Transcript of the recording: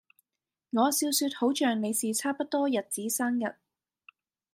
我笑說好像你是差不多日子生日